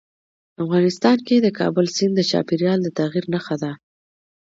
افغانستان کې د کابل سیند د چاپېریال د تغیر نښه ده.